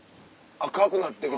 赤くなって来て。